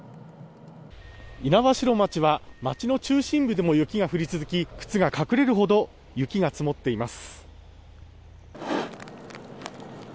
猪苗代町は町の中心部でも雪が降り続き、靴が隠れるほど雪が積もっています。